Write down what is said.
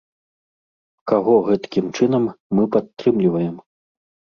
Каго гэткім чынам мы падтрымліваем?